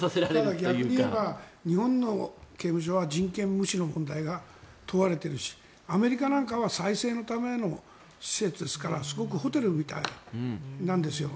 逆に言えば日本の刑務所は人権無視が問われているしアメリカなんかは再生のための施設ですからホテルみたいなんですよ。